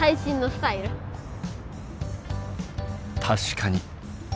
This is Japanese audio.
確かに。